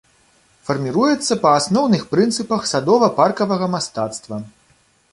Фарміруецца па асноўных прынцыпах садова-паркавага мастацтва.